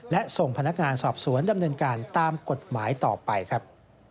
และส่งพนักงานสอบสวนดำเนินการตามกฎหมายต่อไปครับ